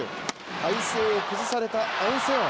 体勢を崩されたアン・セヨン。